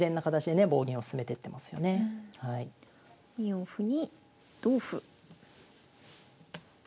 ２四歩に同歩。